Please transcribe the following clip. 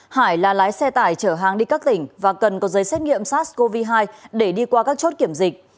hải là lái xe tải chở hàng đi các tỉnh và cần có giấy xét nghiệm sars cov hai để đi qua các chốt kiểm dịch